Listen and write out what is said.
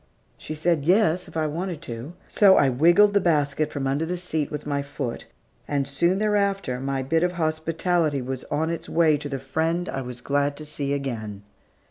She said, yes, if I wanted to. So I wiggled the basket from under the seat with my foot, and soon thereafter, my bit of hospitality was on its way to the friend I was glad to see again.